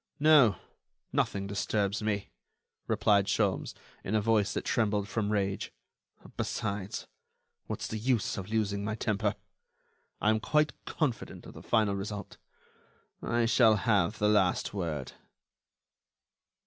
"No, nothing disturbs me," replied Sholmes, in a voice that trembled from rage; "besides, what's the use of losing my temper?... I am quite confident of the final result; I shall have the last word."